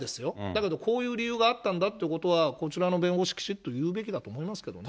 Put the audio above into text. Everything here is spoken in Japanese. だけど、こういう理由があったんだということは、こちらの弁護士、きちっと言うべきだと思いますけどね。